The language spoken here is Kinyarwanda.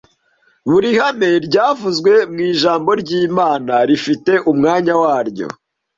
Buri hame ryavuzwe mu Ijambo ry’Imana rifite umwanya waryo